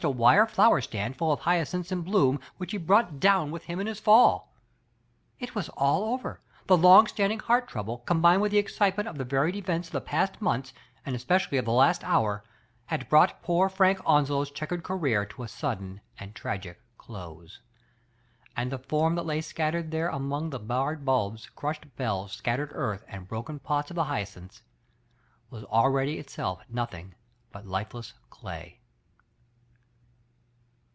% wire flower stand, fuU of hy^cintbs i9 b^c^^ which he brought down wkh hiip in his fait It was all over! The long standing be^rt tronbte, combined with the e3j:citen>ettt ^ the varied events ol the past n^onth^ a^ esf^iiiUy of tj)^ last hour, had brought popr Frank On^)ow*s checkered career to a sudden ^^4 tragic cloGe> and the form that lay there amo^S tbe b^ifed bulbs, crushed bells, scattei^d eafth^ ^nd bro^eii pots of the hyacinths was alres^ itself no|hii^ but lifeless clay.